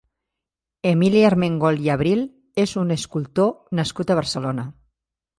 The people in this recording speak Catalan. Emili Armengol i Abril és un escultor nascut a Barcelona.